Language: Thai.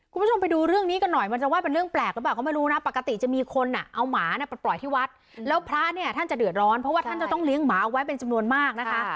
คุณผู้ชมไปดูเรื่องนี้กันหน่อยมันจะว่าเป็นเรื่องแปลกหรือเปล่าก็ไม่รู้นะปกติจะมีคนอ่ะเอาหมาเนี่ยไปปล่อยที่วัดแล้วพระเนี่ยท่านจะเดือดร้อนเพราะว่าท่านจะต้องเลี้ยงหมาเอาไว้เป็นจำนวนมากนะคะ